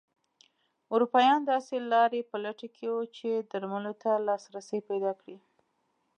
اروپایان داسې لارې په لټه کې وو چې درملو ته لاسرسی پیدا کړي.